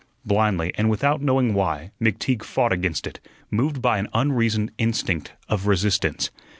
Blindly, and without knowing why, McTeague fought against it, moved by an unreasoned instinct of resistance.